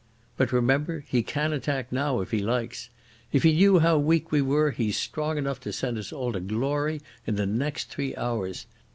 But remember, he can attack now, if he likes. If he knew how weak we were he's strong enough to send us all to glory in the next three hours.